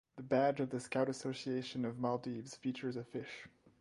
The badge of the Scout Association of Maldives features a fish.